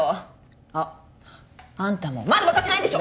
あっあんたもまだ分かってないんでしょ！